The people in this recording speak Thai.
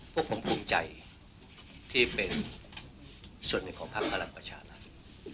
พวกผมภูมิใจที่เป็นส่วนหนึ่งของภาครักษ์ประชาลักษณ์